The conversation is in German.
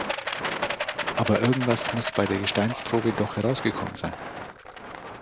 Aber irgendetwas muss bei der Gesteinsprobe doch herausgekommen sein.